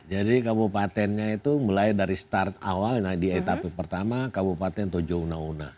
jadi kabupatennya itu mulai dari start awalnya di etapi pertama kabupaten tojounah unah